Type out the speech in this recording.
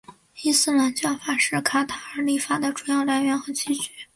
伊斯兰教法是卡塔尔立法的主要来源和依据。